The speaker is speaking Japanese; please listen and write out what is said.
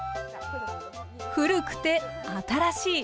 古くて新しい。